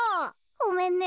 ごめんね。